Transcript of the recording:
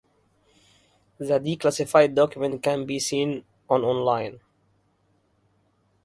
The declassified document can be seen on online.